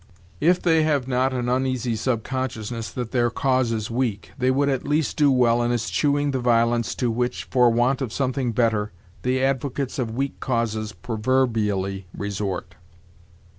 If they have not an uneasy subconsciousness that their cause is weak, they would, at least, do well in eschewing the violence to which, for want of something better, the advocates of weak causes proverbially resort.